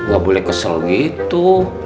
gak boleh kesel gitu